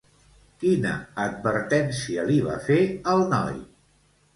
Quina advertència li va fer al noi?